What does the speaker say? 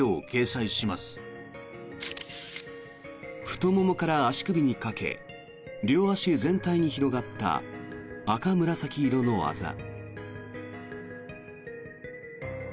太ももから足首にかけ両足全体に広がった赤紫色のあざ。